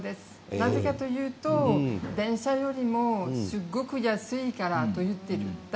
なぜかというと電車よりもすごく安いからと言っていました。